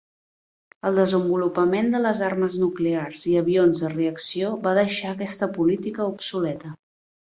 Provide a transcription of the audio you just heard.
El desenvolupament de les armes nuclears i avions de reacció va deixar aquesta política obsoleta.